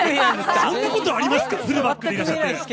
そんなことあるんですか？